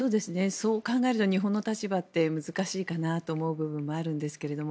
そう考えると日本の立場って難しいかなと思う部分もあるんですけれども。